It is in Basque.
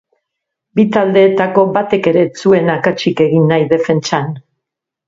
Bi taldeetako batek ere ez zuen akatsik egin nahi defentsan.